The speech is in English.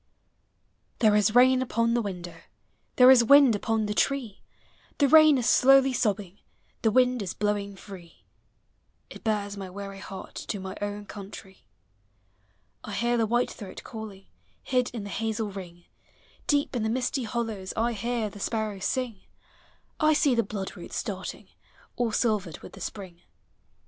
There is rain upon the window, There is wind upon the tree; The rain is slowly sobbing, The wind is blowing free: POEMS OF HOME It bears my weary heart To my own country. I hear the whitethroat calling, Did in the hazel ring; Deep in the misty hollows I hear the sparrows sing ; I see the bloodroot starting, All silvered with the spring.